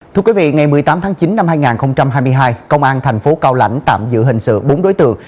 thưa quý vị ngày một mươi tám tháng chín năm hai nghìn hai mươi hai công an thành phố cao lãnh tạm giữ hình sự bốn đối tượng